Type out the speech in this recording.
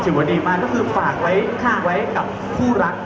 ที่วันนี้มาก็คือฝากไว้กับผู้รักทุกวัน